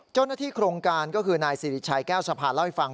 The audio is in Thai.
เจ้าหน้าที่โครงการก็คือนายสิริชัยแก้วสะพานเล่าให้ฟัง